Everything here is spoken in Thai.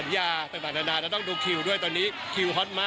อย่างนี้ป้าแต่นดูแลไว้ไหม